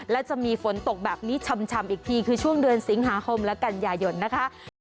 และจะมีฝนตกแบบนี้ชำอีกทีคือช่วงเดือนสิงหาคมและกันยายนนะคะ